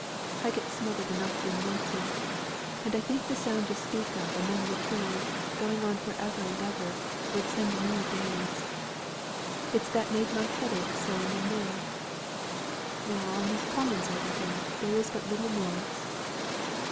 I get smothered enough in Milton, and I think the sound yo' speak of among the trees, going on for ever and ever, would send me dazed; it's that made my head ache so in the mill. Now on these commons, I reckon, there is but little noise?"